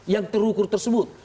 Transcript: yang terukur tersebut